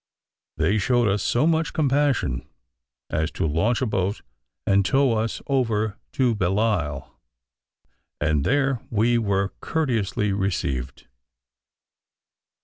They shewed us so much compassion as to launch a boat, and tow us over to Belleisle, and there we were courteously received.